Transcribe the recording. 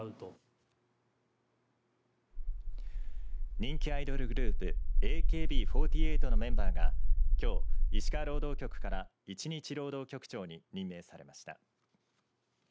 人気アイドルグループＡＫＢ４８のメンバーがきょう、石川労働局から１日労働局長に任命されました。